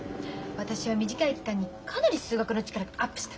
私は短い期間にかなり数学の力がアップした。